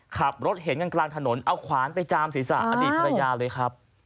ขับรถเห็นกันกลางถนนเอาขวานไปจามศีรษะอดีตภรรยาเลยครับ